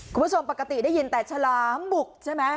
คุณผู้ชมปกติได้ยินแต่ฉลามบุกใช่ไหม